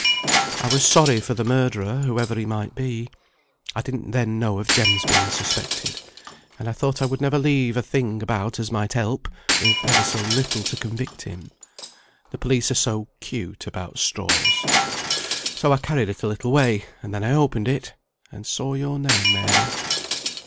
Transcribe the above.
I was sorry for the murderer, whoever he might be (I didn't then know of Jem's being suspected), and I thought I would never leave a thing about as might help, if ever so little, to convict him; the police are so 'cute about straws. So I carried it a little way, and then I opened it and saw your name, Mary."